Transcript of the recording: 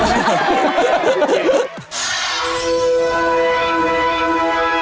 โทษทีครับ